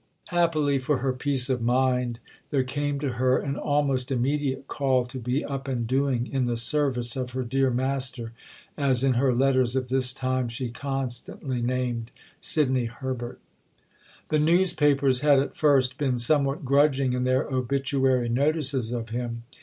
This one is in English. Happily for her peace of mind there came to her an almost immediate call to be up and doing in the service of her "dear master," as in her letters of this time she constantly named Sidney Herbert. The newspapers had at first been somewhat grudging in their obituary notices of him.